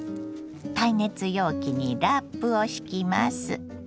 耐熱容器にラップを敷きます。